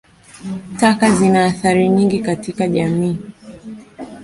Taka zina athari nyingi katika jamii.